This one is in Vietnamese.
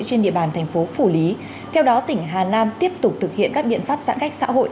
trên địa bàn thành phố phủ lý theo đó tỉnh hà nam tiếp tục thực hiện các biện pháp giãn cách xã hội